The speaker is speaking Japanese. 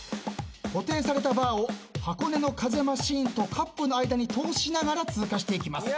固定されたバーを箱根の風マシンとカップの間に通しながら通過していきます。